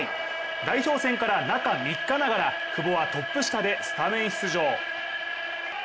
代表戦から中３日ながら久保はトップ下でスタメン出場。